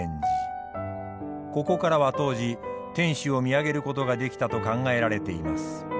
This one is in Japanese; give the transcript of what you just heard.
ここからは当時天主を見上げることができたと考えられています。